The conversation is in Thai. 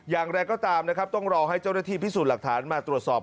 อย่างไรก็ตามนะครับต้องรอให้เจ้าหน้าที่พิสูจน์หลักฐานมาตรวจสอบ